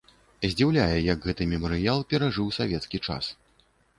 Здзіўляе, як гэты мемарыял перажыў савецкі час.